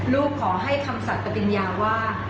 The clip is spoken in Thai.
ขอให้คำสัตว์ปฏิญาว่า